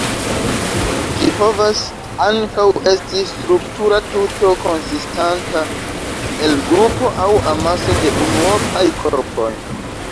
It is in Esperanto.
Ĝi povas ankaŭ esti struktura tuto konsistanta el grupo aŭ amaso de unuopaj korpoj.